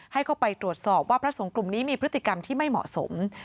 ให้เข้าไปตรวจสอบว่าพระสงฆ์กลุ่มนี้มีพฤติกรรมที่ไม่เหมาะสม